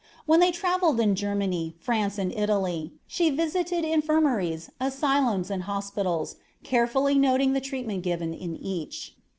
When they travelled in Germany, France, and Italy, she visited infirmaries, asylums, and hospitals, carefully noting the treatment given in each.